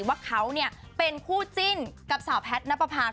ว่าเขาเนี่ยเป็นคู่จินกับสาวแพทน์น้าปะพา